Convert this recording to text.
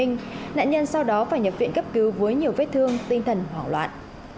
nạn nhân sau đó phải nhập viện cấp cứu với nhiều vết thương tinh thần hoảng loạn